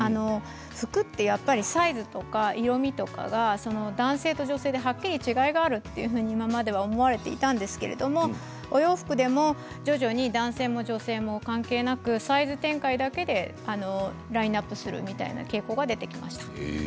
服は、やっぱりサイズとか色みとかが男性と女性で、はっきり違いがあるというふうに今まで思われていたんですけれどもお洋服でも徐々に男性も女性も関係なくサイズ展開だけでラインナップするみたいな傾向が出てきました。